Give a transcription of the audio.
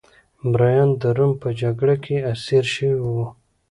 مریان د روم په جګړه کې اسیر شوي وو